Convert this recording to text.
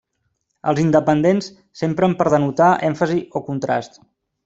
Els independents s’empren per denotar èmfasi o contrast.